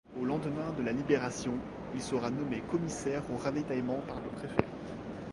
Au lendemain de la Libération, il sera nommé Commissaire au Ravitaillement par le Préfet.